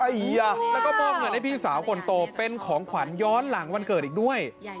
เฮียแล้วก็มอบเงินให้พี่สาวคนโตเป็นของขวัญย้อนหลังวันเกิดอีกด้วย